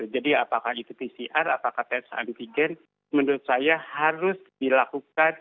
jadi apakah itu pcr apakah tes antigen menurut saya harus dilakukan survei antigen